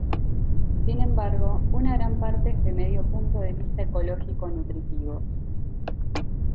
Sin embargo, una gran parte es de medio punto de vista ecológico nutritivos.